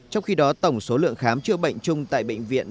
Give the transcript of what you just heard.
trong khi đó tổng số lượng khám chữa bệnh chung tại bệnh viện